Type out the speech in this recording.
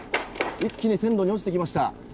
一気に線路に落ちてきました。